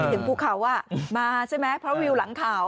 ถึงภูเขามาใช่ไหมเพราะวิวหลังข่าว